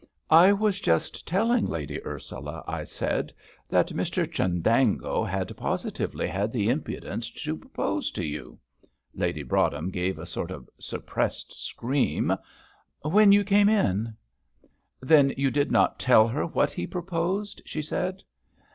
"I was just telling Lady Ursula," I said, "that Mr Chundango had positively had the impudence to propose to you" Lady Broadhem gave a sort of suppressed scream "when you came in." "Then you did not tell her what he proposed?" she said.